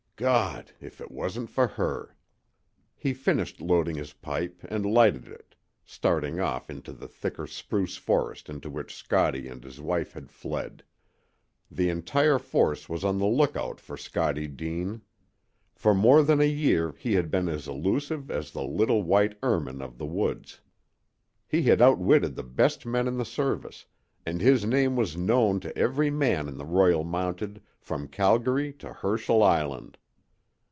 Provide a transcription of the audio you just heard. "Gawd if it wasn't for her!" He finished loading his pipe, and lighted it, staring off into the thicker spruce forest into which Scottie and his wife had fled. The entire force was on the lookout for Scottie Deane. For more than a year he had been as elusive as the little white ermine of the woods. He had outwitted the best men in the service, and his name was known to every man of the Royal Mounted from Calgary to Herschel Island.